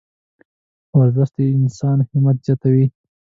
ورزش د انسان همت زیاتوي.